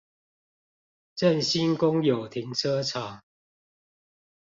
正興公有停車場